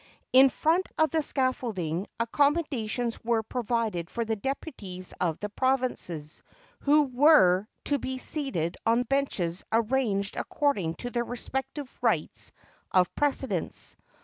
In front of the scaffolding, accommodations were provided for the deputies of the provinces, who were to be seated on benches arranged according to their respective rights of precedence.